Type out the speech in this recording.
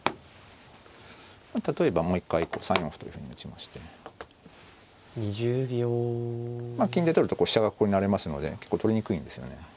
例えばもう一回３四歩というふうに打ちまして金で取ると飛車がここに成れますので結構取りにくいんですよね。